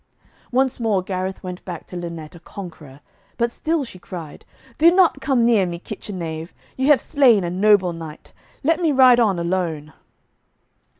Once more Gareth went back to Lynette a conqueror, but still she cried, 'Do not come near me, kitchen knave. You have slain a noble knight. Let me ride on alone.'